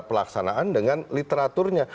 pelaksanaan dengan literaturnya